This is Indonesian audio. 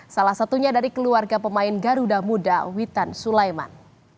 salah satunya dari keluarga pemain garuda muda witan sulaiman